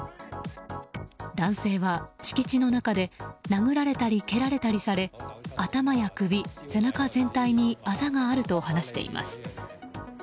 男性は敷地の中で殴られたり蹴られたりされ頭や首、背中全体にあざがあると話しています。